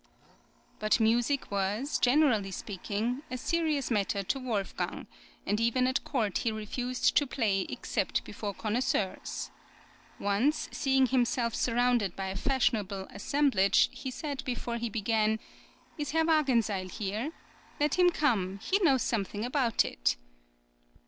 But music was, generally speaking, a serious matter to Wolfgang, and even at court he refused to play except before connoisseurs. Once, seeing himself surrounded by a fashionable assemblage, he said before he began: "Is Herr Wagenseil here? Let him come; he knows something about it."